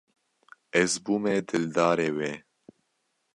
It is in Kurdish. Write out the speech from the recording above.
Ez bûme dildarê wê.